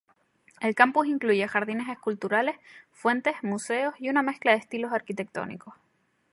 El campus incluye jardines esculturales, fuentes, museos y una mezcla de estilos arquitectónicos.